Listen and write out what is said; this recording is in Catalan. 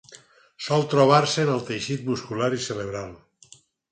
Sol trobar-se en el teixit muscular i cerebral.